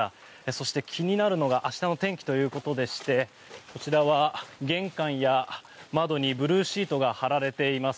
そして、気になるのが明日の天気ということでしてこちらは玄関や窓にブルーシートが張られています。